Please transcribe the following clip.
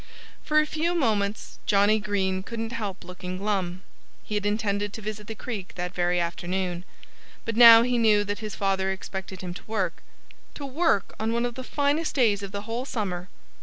For a few moments Johnnie Green couldn't help looking glum. He had intended to visit the creek that very afternoon. But now he knew that his father expected him to work to work on one of the finest days of the whole summer!